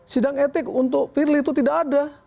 sidang etik untuk pirly itu tidak ada